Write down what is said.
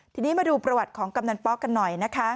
ทีนี้มาดูประวัติของกำลังเปาะกันหน่อย